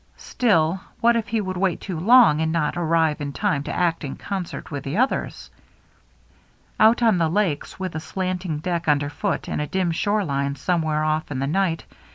Still, what if he should wait too long, and not arrive in time to act in concert with the others ? Out on the Lakes, with a slanting deck underfoot and a dim shore line somewhere oflF in the night.